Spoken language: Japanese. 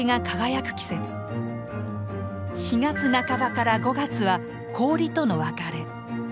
４月半ばから５月は「氷との別れ」。